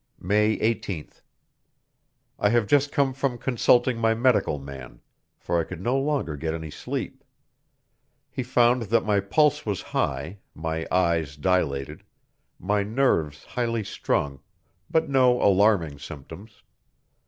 May 18th. I have just come from consulting my medical man, for I could no longer get any sleep. He found that my pulse was high, my eyes dilated, my nerves highly strung, but no alarming symptoms.